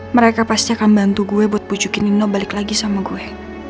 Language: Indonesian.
mereka pasti akan bantu gue buat pucukin nino balik lagi sama gue